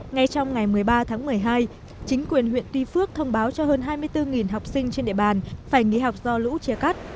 ngay trong ngày một mươi ba tháng một mươi hai chính quyền huyện tuy phước thông báo cho hơn hai mươi bốn học sinh trên địa bàn phải nghỉ học do lũ chia cắt